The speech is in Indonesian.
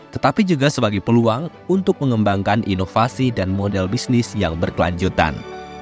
tetapi juga sebagai peluang untuk mengembangkan inovasi dan model bisnis yang berkelanjutan